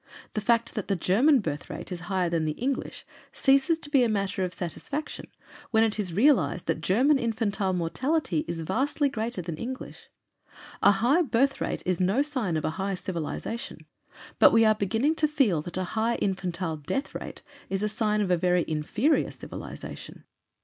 The fact that the German birth rate is higher than the English ceases to be a matter of satisfaction when it is realized that German infantile mortality is vastly greater than English. A HIGH BIRTH RATE IS NO SIGN OF A HIGH CIVILIZATION. BUT WE ARE BEGINNING TO FEEL THAT A HIGH INFANTILE DEATH RATE IS A SIGN OF A VERY INFERIOR CIVILIZATION.